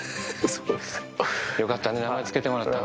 よかったね、名前付けてもらったの。